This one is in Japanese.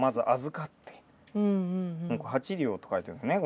「八両」って書いてるんですね